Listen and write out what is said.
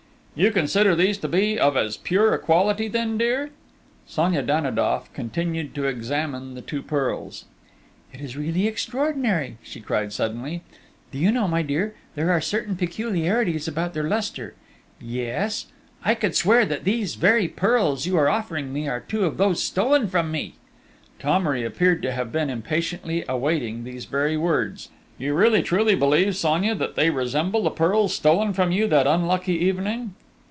"You consider these to be of as pure a quality then, dear?" Sonia Danidoff continued to examine the two pearls. "It is really extraordinary," she cried suddenly. "Do you know, my dear, there are certain peculiarities about their lustre,... yes ... I could swear that these very pearls you are offering me are two of those stolen from me!..." Thomery appeared to have been impatiently awaiting these very words. "You really, truly believe, Sonia, that they resemble the pearls stolen from you that unlucky evening?"